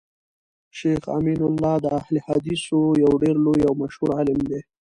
شيخ امین الله د اهل الحديثو يو ډير لوی او مشهور عالم دی